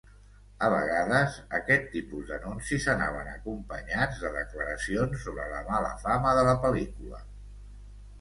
A vegades, aquest tipus d'anuncis anaven acompanyats de declaracions sobre la mala fama de la pel·lícula.